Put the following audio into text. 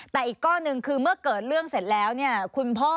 แต่อีกก้อนหนึ่งคือเมื่อเกิดเรื่องเสร็จแล้วเนี่ยคุณพ่อ